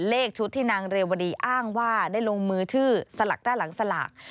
เลขชุดที่นางเรวดีอ้างว่าได้ลงมือชื่อสลักด้านหลังสลาก